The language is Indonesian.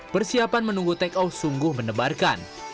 persiapan menunggu take off sungguh menebarkan